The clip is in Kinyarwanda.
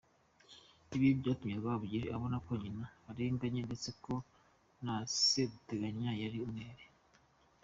Ibi byatumye Rwabugili abona ko nyina arenganye ndetse ko na Seruteganya yari umwere.